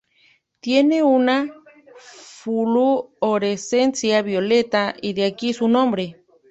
Tiene una fluorescencia violeta, y de aquí su nombre.